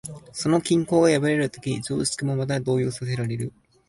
その均衡が破られるとき、常識もまた動揺させられる。